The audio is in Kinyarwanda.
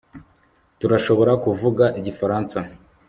Turashobora kuvuga Igifaransa